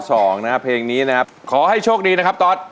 ดีนะขอให้ร้องให้ได้ขอให้ช่วงดีนะครับตอด